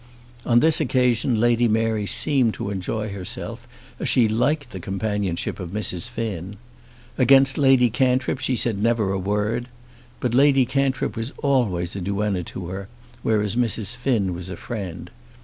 On this occasion Lady Mary seemed to enjoy herself, as she liked the companionship of Mrs. Finn. Against Lady Cantrip she never said a word. But Lady Cantrip was always a duenna to her, whereas Mrs. Finn was a friend.